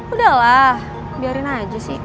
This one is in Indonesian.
udah lah biarin aja sih